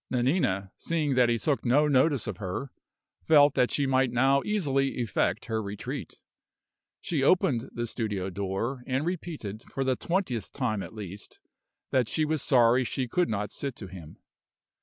Nanina, seeing that he took no notice of her, felt that she might now easily effect her retreat. She opened the studio door, and repeated, for the twentieth time at least, that she was sorry she could not sit to him.